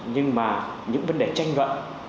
nhưng mà những vấn đề tranh luận